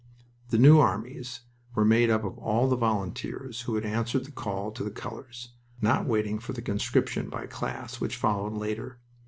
The New Armies were made up of all the volunteers who had answered the call to the colors, not waiting for the conscription by class, which followed later.